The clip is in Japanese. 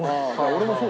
俺もそう。